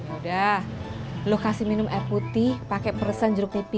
udah lo kasih minum air putih pakai perasan jeruk tipis kalau